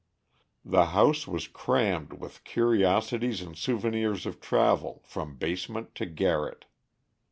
The house was crammed with curiosities and souvenirs of travel from basement to garret.